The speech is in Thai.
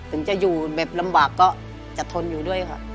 ถึงจะอยู่แบบลำบากก็จะทนอยู่ด้วยค่ะ